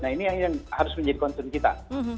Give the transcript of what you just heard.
nah ini yang harus menjadi concern kita